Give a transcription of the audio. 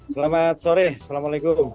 selamat sore assalamualaikum